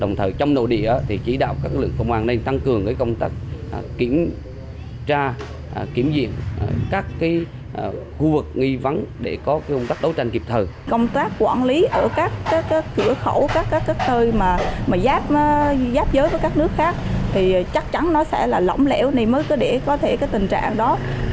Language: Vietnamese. giáp giới với các nước khác thì chắc chắn nó sẽ là lỏng lẽo này mới có thể tình trạng đó